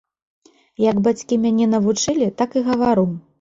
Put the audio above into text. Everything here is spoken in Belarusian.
Як бацькі мяне навучылі, так і гавару.